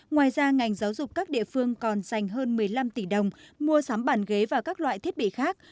ngoài ra ngành giáo dục các địa phương còn dành hơn một mươi năm tỷ đồng mua sắm bàn ghế và các loại thiết bị khác